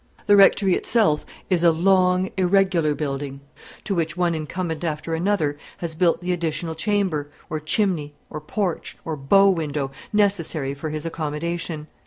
The Rectory itself is a long irregular building, to which one incumbent after another has built the additional chamber, or chimney, or porch, or bow window, necessary for his accommodation.